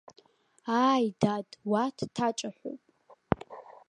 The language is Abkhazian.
Ааи, дад, уа дҭаҿаҳәоуп.